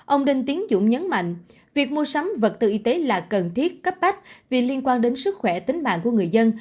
ông đinh tiến dũng nhấn mạnh việc mua sắm vật tư y tế là cần thiết cấp bách vì liên quan đến sức khỏe tính mạng của người dân